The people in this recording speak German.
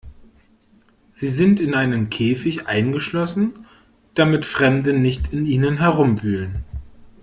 Sie sind in einen Käfig eingeschlossen, damit Fremde nicht in ihnen herumwühlen.